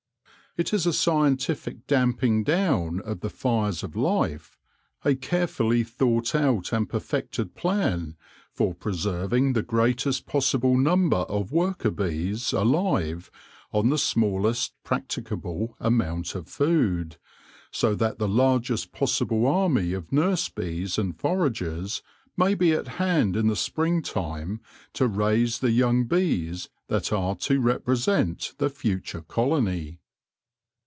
It is a scientific damping down of the fires of life — a carefully thought out and perfected plan for preserving the greatest possible number of worker bees alive on the smallest practicable amount of food, so that the largest possible army of nurse bees and foragers may be at hand in the spring time to raise the young bees that are to represent the future colony.